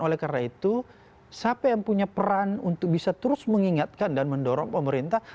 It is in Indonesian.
oleh karena itu siapa yang punya peran untuk bisa terus mengingatkan dan mendorong pemerintah